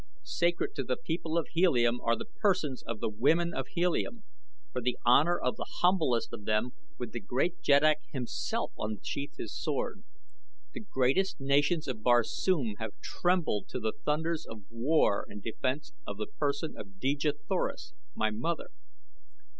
Sacred to the people of Helium are the persons of the women of Helium. For the honor of the humblest of them would the great jeddak himself unsheathe his sword. The greatest nations of Barsoom have trembled to the thunders of war in defense of the person of Dejah Thoris, my mother.